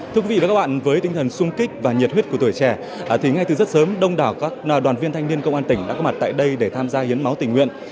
thưa quý vị và các bạn với tinh thần sung kích và nhiệt huyết của tuổi trẻ thì ngay từ rất sớm đông đảo các đoàn viên thanh niên công an tỉnh đã có mặt tại đây để tham gia hiến máu tỉnh nguyện